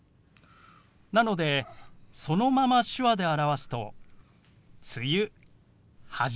なのでそのまま手話で表すと「梅雨」「始まる」。